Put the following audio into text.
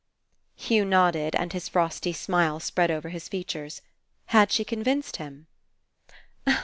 Hugh nodded and his frosty smile spread over his features. Had she convinced him?